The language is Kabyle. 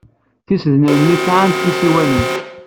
Tisednan-nni sɛant tisiwanin.